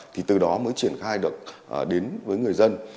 thì từ đó mới triển khai được đến với người dân